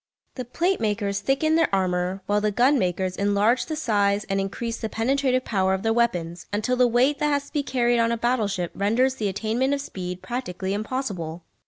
The plate makers thicken their armour while the gun makers enlarge the size and increase the penetrative power of their weapons, until the weight that has to be carried on a battle ship renders the attainment of speed practically impossible.